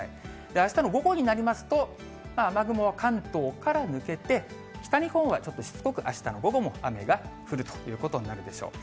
あしたの午後になりますと、雨雲は関東から抜けて、北日本はちょっとしつこくあしたの午後も雨が降るということになるでしょう。